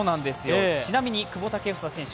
ちなみに久保建英選手